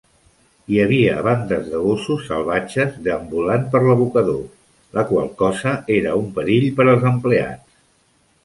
Hi havia bandes de gossos salvatges deambulant per l'abocador, la qual cosa era un perill per als empleats.